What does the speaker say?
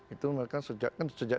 itu mereka kan sejak